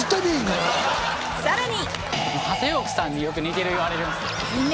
さらに！